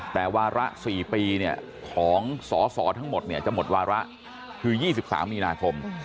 แต่วาระสี่ปีเนี่ยของสอสอทั้งหมดเนี่ยจะหมดวาระคือยี่สิบสามมีนาคม